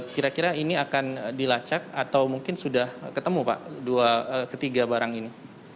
kira kira ini akan dilacak atau mungkin sudah ketemu pak ketiga barang ini